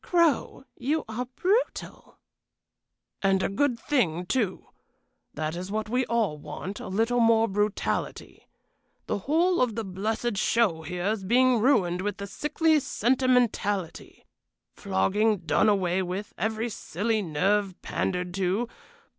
"Crow, you are brutal." "And a good thing, too. That is what we all want, a little more brutality. The whole of the blessed show here is being ruined with this sickly sentimentality. Flogging done away with; every silly nerve pandered to.